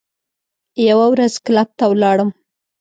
یوه ورځ کلب ته ولاړم.